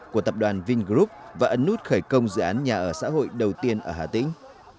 của tập đoàn vingroup và ấn nút khởi công dự án nhà ở xã hội đầu tiên ở hà tĩnh